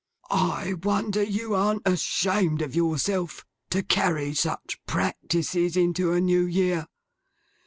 'I wonder you an't ashamed of yourself, to carry such practices into a New Year.